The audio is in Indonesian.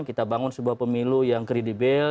kita bangun sebuah pemilu yang kredibel